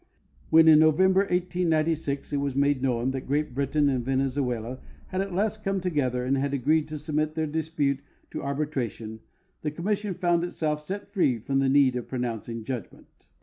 When, in November, 1896, it was made known that Great Britain and Venezuela had at last come together and had agreed to submit their dispute to arbitration, the commission found itself set free from the need of pronouncing judgment.